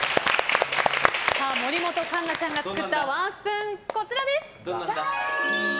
森本栞奈ちゃんが作ったワンスプーン、こちらです。